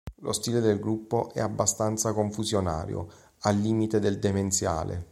Lo stile del gruppo è abbastanza confusionario, al limite del demenziale.